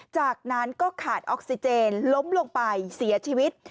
จากนั้นก็ขาดออกซิเจนล้มลงไปเสียชีวิต